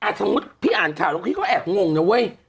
สมมุติพี่อ่านข่าวแล้วพี่ก็แอบงงนะเว้ย